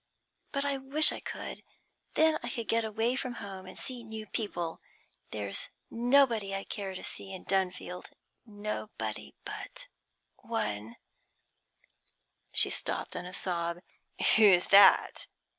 But I wish I could; then I should get away from home, and see new people. There's nobody I care to see in Dunfield nobody but one ' She stopped on a sob. 'Who's that?'